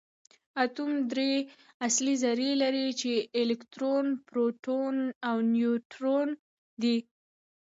اتوم درې اصلي ذرې لري چې الکترون پروټون او نیوټرون دي